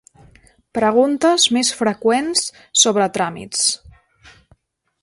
Preguntes més freqüents sobre tràmits.